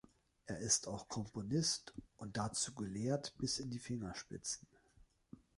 Er ist auch Komponist und dazu gelehrt bis in die Fingerspitzen.